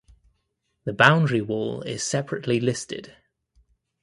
The boundary wall is separately listed.